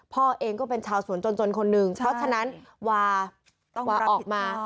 พ่อเองก็เป็นชาวสวนจนคนหนึ่งเพราะฉะนั้นวาต้องวาออกมา